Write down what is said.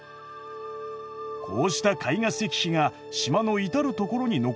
こうした絵画石碑が島の至る所に残されています。